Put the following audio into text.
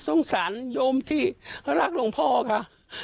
สงสารโยมที่รักลงพ่อค่ะ